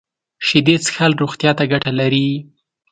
شیدې څښل روغتیا ته ګټه لري